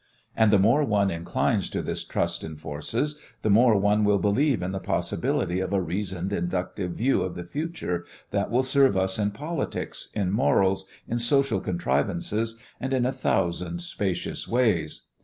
And the more one inclines to this trust in forces the more one will believe in the possibility of a reasoned inductive view of the future that will serve us in politics, in morals, in social contrivances, and in a thousand spacious ways.